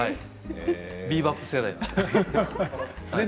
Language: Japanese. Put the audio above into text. ビーバップ世代。